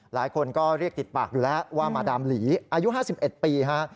หลายคนก็เรียกติดปากอยู่แล้วว่ามาดามหลีอายุ๕๑ปีฮะ